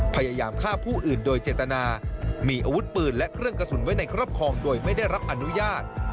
พยายามฆ่าผู้อื่นโดยเจตนามีอาวุธปืนและเครื่องกระสุนไว้ในครอบครองโดยไม่ได้รับอนุญาต